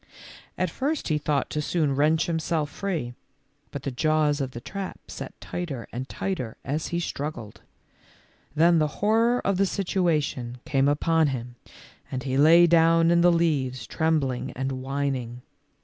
At first he thought to soon wrench himself free, but the jaws of the trap set tighter and tighter as he struggled. Then the horror of the situation came upon him and he lay down in the leaves trembling and whining.